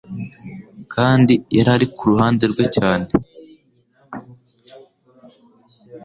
kandi yari ari ku ruhande rwe cyane.